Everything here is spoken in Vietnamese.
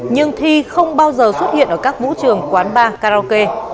nhưng thi không bao giờ xuất hiện ở các vũ trường quán bar karaoke